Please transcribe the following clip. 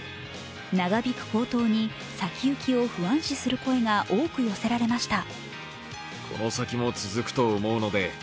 長引く高騰に、先行きを不安視する声が多く寄せられました。